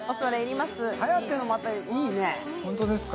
颯も、またいいね。